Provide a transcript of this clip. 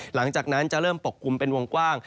หลังจากนั้นจะเริ่มปกกลุ่มเป็นวงกว้าง